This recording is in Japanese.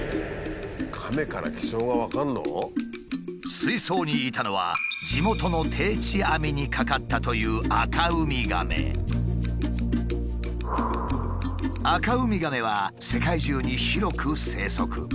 水槽にいたのは地元の定置網にかかったというアカウミガメは世界中に広く生息。